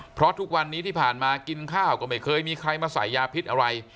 เพราะทุกวันนี้ที่ผ่านมากินข้าวก็ไม่เคยมีใครมาใส่ยาพิษอะไร